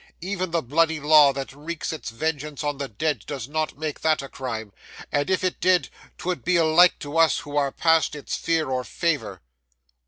Even the bloody law that wreaks its vengeance on the dead does not make that a crime, and if it did 'twould be alike to us who are past its fear or favour.